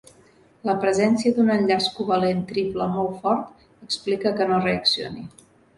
La presència d'un enllaç covalent triple molt fort explica que no reaccioni.